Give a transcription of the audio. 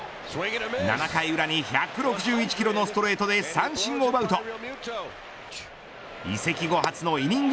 ７回裏に１６１キロのストレートで三振を奪うと移籍後初のイニング